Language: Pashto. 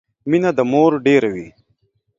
مينه د مور ډيره وي